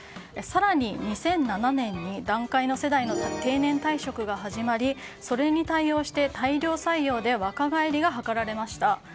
更に、２００７年に団塊世代の定年退職が始まりそれに対応して大量採用で若返りが図られました。